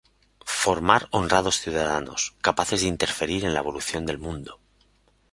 Formar honrados ciudadanos, "capaces de interferir en la evolución del mundo".